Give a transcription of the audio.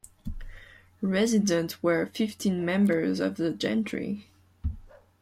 Resident were fifteen members of the gentry.